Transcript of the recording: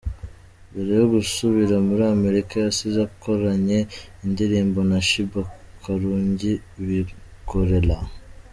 Mbere yo gusubira muri Amerika, yasize akoranye indirimbo na Sheebah Karungi ‘Binkolera’.